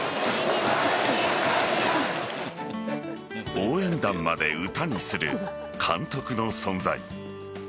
応援団まで歌にする監督の存在。